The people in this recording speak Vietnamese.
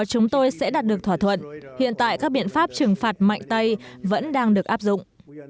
chúng tôi sẽ đạt được thỏa thuận hiện tại các biện pháp trừng phạt mạnh tay vẫn đang được áp dụng